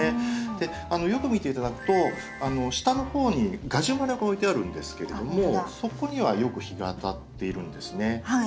よく見て頂くと下の方にガジュマルが置いてあるんですけれどもそこにはよく日が当たっているんですね。